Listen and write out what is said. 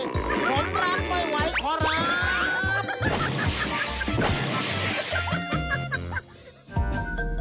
ผมรักไม่ไหวขอครับ